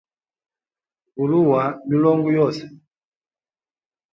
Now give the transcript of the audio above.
Vuluwa milongo yose.